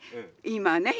今ね